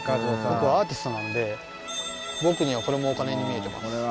僕、アーティストなんで、僕にはこれもお金に見えてます。